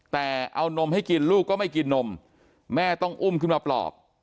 แต่เอานมให้กินลูกก็ไม่กินนมแม่ต้องอุ้มขึ้นมาปลอบ